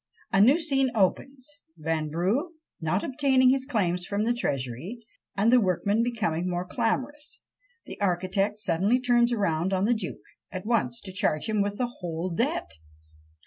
A new scene opens! Vanbrugh not obtaining his claims from the Treasury, and the workmen becoming more clamorous, the architect suddenly turns round on the duke, at once to charge him with the whole debt.